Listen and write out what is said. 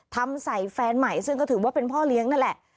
ทำใส่แฟนใหม่ซึ่งก็ถือว่าเป็นพ่อเลี้ยงนั่นแหละ